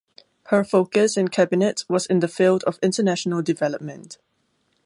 Her focus in Cabinet was in the field of international development.